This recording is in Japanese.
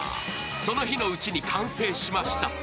その日のうちに完成しました。